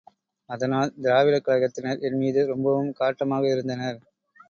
அதனால் திராவிடக் கழகத்தினர் என் மீது ரொம்பவும் காட்டமாக இருந்தனர்.